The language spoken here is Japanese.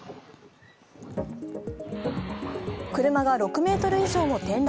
車が６ｍ以上も転落。